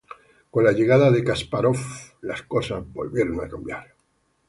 Con la llegada de Kaspárov, las cosas volvieron a cambiar.